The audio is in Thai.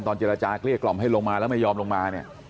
เจรจาเกลี้ยกล่อมให้ลงมาแล้วไม่ยอมลงมาเนี่ย